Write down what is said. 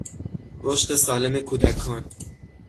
رشد سالم کودکان